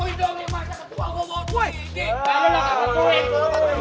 itu ada di bawah di bawah di situ